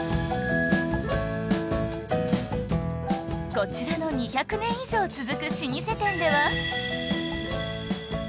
こちらの２００年以上続く老舗店では